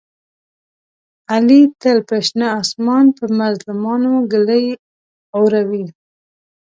علي تل په شنه اسمان په مظلومانو ږلۍ اوروي.